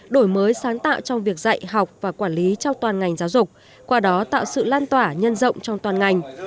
đổi mới sáng tạo trong việc dạy học và quản lý trong toàn ngành giáo dục qua đó tạo sự lan tỏa nhân rộng trong toàn ngành